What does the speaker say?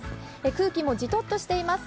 空気もじとっとしています。